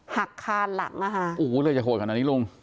หักคาลหลัง